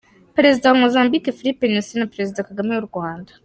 Perezida wa Mozambique, Filipe Nyusi na Perezida Kagame w’u Rwanda